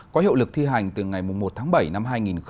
có hiệu lực thi hành từ ngày một tháng bảy năm hai nghìn hai mươi